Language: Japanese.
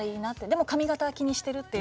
でも髪形は気にしてるって。